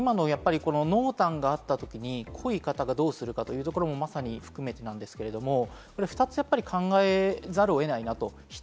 濃淡があった時に濃い方がどうするかというところもまさに含めてなんですけど、２つ考えざるを得ないなと。